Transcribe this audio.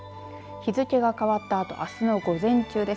日付が変わったあとあすの午前中です。